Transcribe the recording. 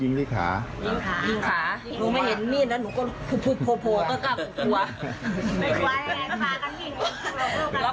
ยิงขายิงขาหนูไม่เห็นมีนแล้วหนูก็พูดพูดโพพูด